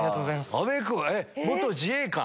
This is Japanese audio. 阿部君自衛官？